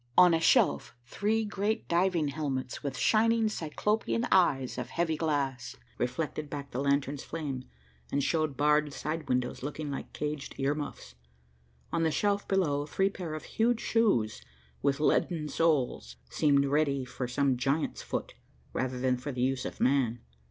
On a shelf three great diving helmets, with shining cyclopean eyes of heavy glass, reflected back the lantern's flame, and showed barred side windows looking like caged ear muffs. On the shelf below three pair of huge shoes, with leaden soles, seemed ready for some giant's foot, rather than for the use of man.